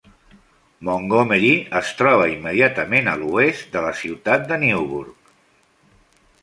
Montgomery es troba immediatament a l'oest de la ciutat de Newburgh.